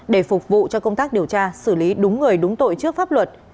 để phục vụ cho công tác điều tra xử lý đúng người đúng tội trước pháp luật